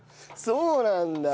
そうなんだ。